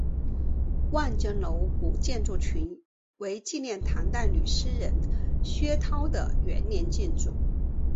望江楼古建筑群为纪念唐代女诗人薛涛的园林建筑。